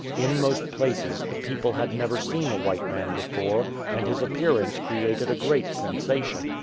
In most places the people had never seen a white man before, and his appearance created a great sensation.